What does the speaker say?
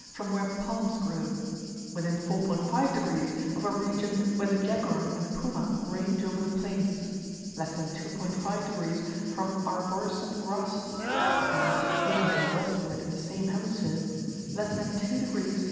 from where palms grow, within 4.5 degs. of a region where the jaguar and puma range over the plains, less than 2.5 degs. from arborescent grasses, and (looking to the westward in the same hemisphere) less than 2 degs.